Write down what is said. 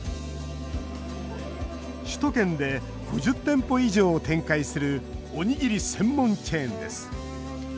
首都圏で５０店舗以上を展開するおにぎり専門チェーンです。